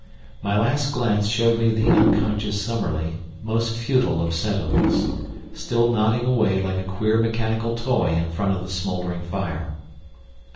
My last glance showed me the unconscious Summerlee, most futile of sentinels, still nodding away like a queer mechanical toy in front of the smouldering fire.